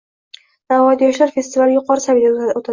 Navoiyda yoshlar festivali yuqori saviyada o‘tadi